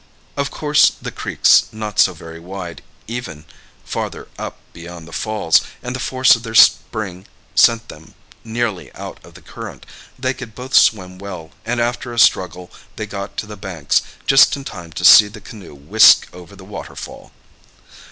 Of course the creek's not so very wide, even farther up beyond the falls, and the force of their spring sent them nearly out of the current. They could both swim well, and after a struggle they got to the banks, just in time to see the canoe whisk over the waterfall!"